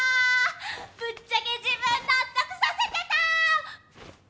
ぶっちゃけ自分納得させてた！